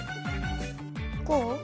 こう？